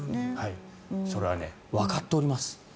それはわかっております。